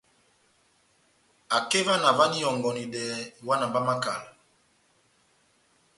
Akeva na ová na ihɔngɔnedɛ iwana má makala.